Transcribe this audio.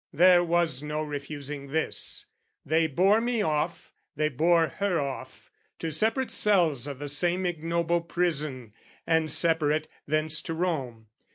There was no refusing this: they bore me off, They bore her off, to separate cells o' the same Ignoble prison, and, separate, thence to Rome.